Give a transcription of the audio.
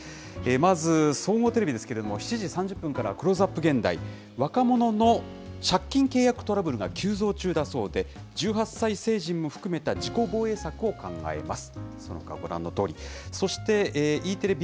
まず総合テレビですけれども、７時３０分からクローズアップ現代、若者の借金契約トラブルが急増中だそうで、１８歳成人も含めた自己防衛策を考えます。